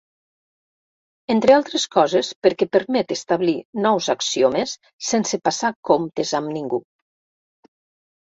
Entre altres coses perquè permet establir nous axiomes sense passar comptes amb ningú.